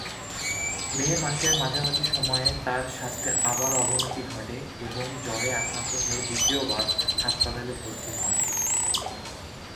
মে মাসের মাঝামাঝি সময়ে তার স্বাস্থ্যের আবার অবনতি ঘটে এবং জ্বরে আক্রান্ত হয়ে দ্বিতীয়বার হাসপাতালে ভর্তি হন।